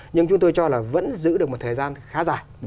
nhưng chúng tôi cho là vẫn giữ được một thời gian khá dài